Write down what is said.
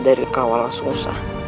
dari kawalan sungsar